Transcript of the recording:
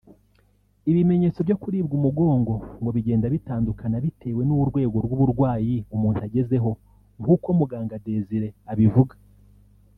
Ibimenyetso byo kuribwa umugongo ngo bigenda bitandukana bitewe n’urwego rw’uburwayi umuntu agezeho nkuko muganga Desire abivuga